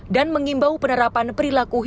dan mengimbau penerapan perilaku